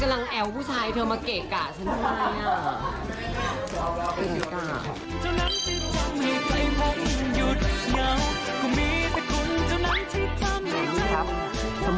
หนูแดลหนูแดลขอบคุณผู้ชม